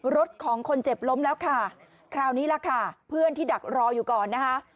รถของคนเจ็บล้มแล้วค่ะคราวนี้ล่ะค่ะเพื่อนที่ดักรออยู่ก่อนนะคะ